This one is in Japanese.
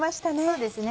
そうですね。